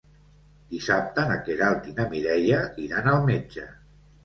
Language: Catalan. Dissabte na Queralt i na Mireia iran al metge.